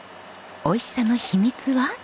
美味しさの秘密は？